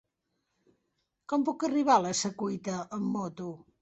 Com puc arribar a la Secuita amb moto?